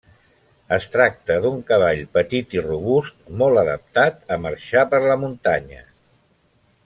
Es tracta d'un cavall petit i robust molt adaptat a marxar per la muntanya.